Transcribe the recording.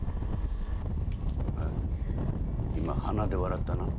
今鼻で笑ったな？